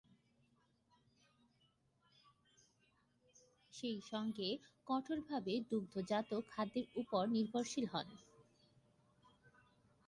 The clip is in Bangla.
সেই সঙ্গে কঠোরভাবে দুগ্ধজাত খাদ্যের উপর নির্ভরশীল হন।